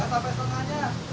masa besok tanya